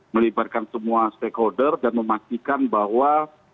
melibatkan semua stakeholder dan memastikan bahwa